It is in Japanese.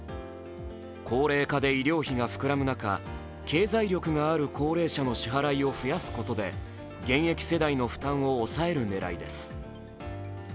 高齢化で医療費が膨らむ中、経済力のある高齢者の支払いを増やすことで現役世代の負担を抑える狙いです。